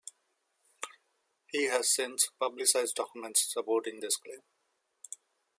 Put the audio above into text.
He has since publicised documents supporting this claim.